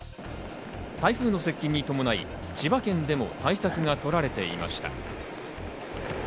台風の接近に伴い千葉県でも対策が取られていました。